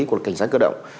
của cảnh sát cơ động